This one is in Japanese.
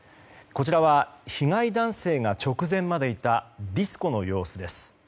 こちらは被害男性が直前までいたディスコの様子です。